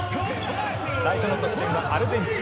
最初の得点はアルゼンチン。